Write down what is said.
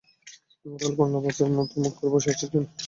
তাহলে বাংলা পাঁচের মতো মুখ করে বসে আছিস কেন?